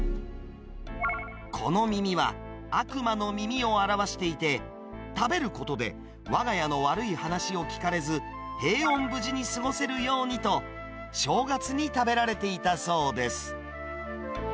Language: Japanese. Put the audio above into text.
この耳は、悪魔の耳を表していて、食べることでわが家の悪い話を聞かれず、平穏無事に過ごせるようにと、正月に食べられていたそうです。